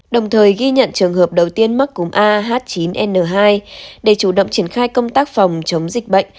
đồng thời ghi nhận trường hợp đầu tiên mắc cúng a h chín n hai để chủ động triển khai công tác phòng chống dịch bệnh